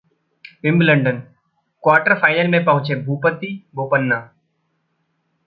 Wimbledon: quarter final में पहुंचे भूपति, बोपन्ना